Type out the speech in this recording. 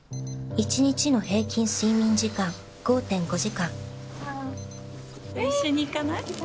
一日の平均睡眠時間５．５時間一緒に行かない？